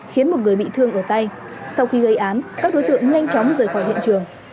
khiến một người bị thương ở tay sau khi gây án các đối tượng nhanh chóng rời khỏi hiện trường